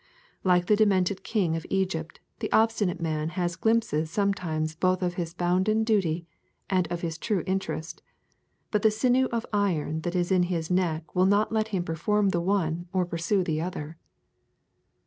Like the demented king of Egypt, the obstinate man has glimpses sometimes both of his bounden duty and of his true interest, but the sinew of iron that is in his neck will not let him perform the one or pursue the other.